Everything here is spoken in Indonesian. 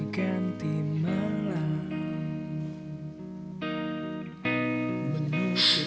ken kenny tunggu